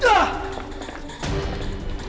jangan sampai lolos